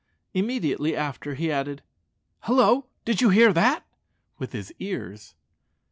Immediately after he added, "Hallo! did you hear that?" with his ears.